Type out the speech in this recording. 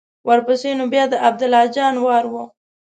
ورپسې نو بیا د عبدالله جان وار و.